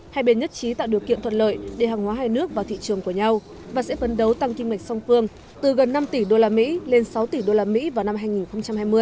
hai bên nhất trí tạo điều kiện thuận lợi để hàng hóa hai nước vào thị trường của nhau và sẽ phấn đấu tăng kinh mệnh song phương từ gần năm tỷ usd lên sáu tỷ usd vào năm hai nghìn hai mươi